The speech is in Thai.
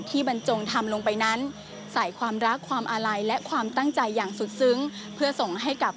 บรรจงทำลงไปนั้นใส่ความรักความอาลัยและความตั้งใจอย่างสุดซึ้งเพื่อส่งให้กับ